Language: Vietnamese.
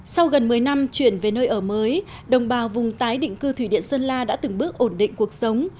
sau gần một mươi năm chuyển về nơi ở mới đồng bào vùng tái định cư thủy điện sơn la đã từng bước ổn định cuộc sống